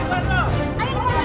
tepuk tangan tepuk tangan